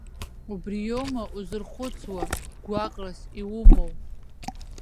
Убриоума узырхәыцуа, гәаҟрас иумоу?